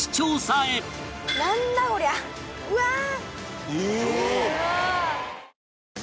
うわー！